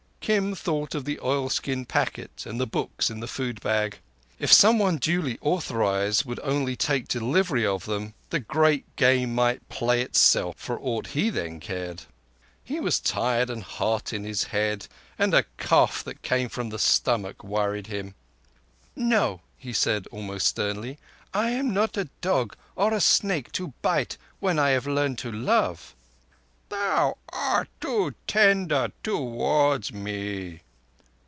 Kim thought of the oilskin packet and the books in the food bag. If someone duly authorized would only take delivery of them the Great Game might play itself for aught he then cared. He was tired and hot in his head, and a cough that came from the stomach worried him. "No." he said almost sternly. "I am not a dog or a snake to bite when I have learned to love." "Thou art too tender towards me."